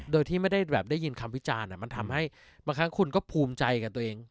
โดยที่ไม่ได้แบบได้ยินคำวิจารณ์มันทำให้บางครั้งคุณก็ภูมิใจกับตัวเอง